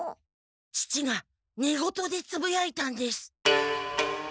父がねごとでつぶやいたんです。